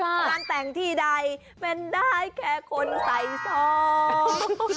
งานแต่งที่ใดเป็นได้แค่คนใส่ซอง